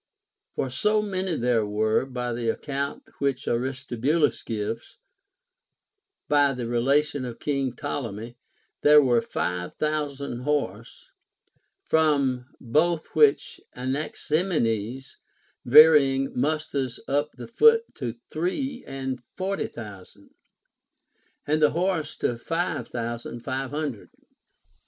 For so many there were, by the account which Aristobulus gives ; by the relation of King Ptolemy, there were five thousand horse ; from both which Anaximenes varying musters up the foot to three and forty thousand, and the horse to five thousand five hundred.